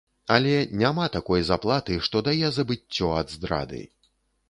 Але няма такой заплаты, што дае забыццё ад здрады.